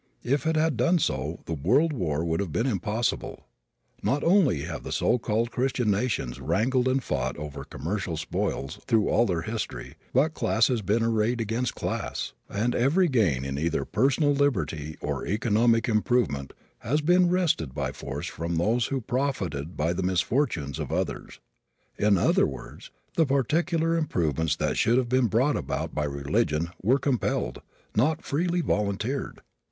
If it had done so the world war would have been impossible. Not only have the so called Christian nations wrangled and fought over commercial spoils through all their history but class has been arrayed against class and every gain in either personal liberty or economic improvement has been wrested by force from those who profited by the misfortunes of others. In other words, the particular improvements that should have been brought about by religion were compelled, not freely volunteered.